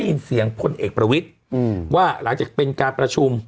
เสียงพลเอกประวิทย์ว่าหลังจากเป็นการประชุม